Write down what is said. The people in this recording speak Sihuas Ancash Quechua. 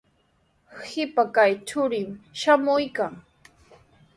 Qipa kaq churin shamuykan.